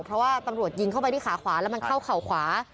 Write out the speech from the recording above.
เพราะว่าตำรวจยิงเข้าไปที่ขาขวาแล้วมันเข้าเข่าขวา